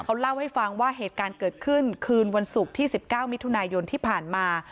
เขาเล่าให้ฟังว่าเหตุการณ์เกิดขึ้นคืนวันศุกร์ที่๑๙มิถุนายนที่ผ่านมา